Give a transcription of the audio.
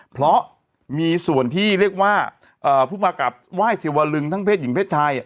เพราะมีส่วนที่เรียกว่าพูดมากับว่ายเสียวลึงทั้งเพศหญิงค่ะ